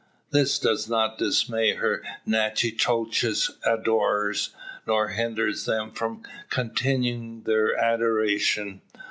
This does not dismay her Natchitoches adorers, nor hinder them from continuing their adoration.